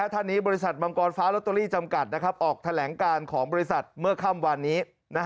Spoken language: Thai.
ท่านนี้บริษัทมังกรฟ้าลอตเตอรี่จำกัดออกแถลงการของบริษัทเมื่อค่ำวานนี้